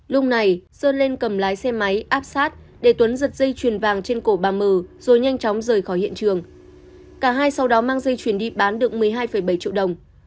lúc này sơn lên cầm lái xe máy áp sát để tuấn giật dây chuyền vàng trên cổ bà mờ rồi nhanh chóng rời khỏi hiện trường cả hai sau đó mang dây chuyển đi bán được một mươi hai bảy triệu đồng